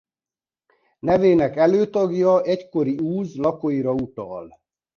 Nevének előtagja egykori úz lakóira utal.